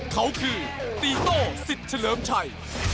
เขาคือตีโต้สิทธิ์เฉลิมชัย